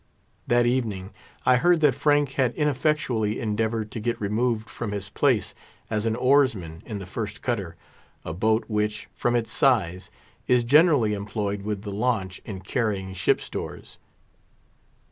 That evening I heard that Frank had ineffectually endeavoured to get removed from his place as an oarsman in the First Cutter—a boat which, from its size, is generally employed with the launch in carrying ship stores.